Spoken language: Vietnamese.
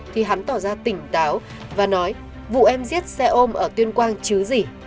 thì hắn tỏ ra tỉnh táo và nói vụ em giết xe ôm ở tuyên quang chứ gì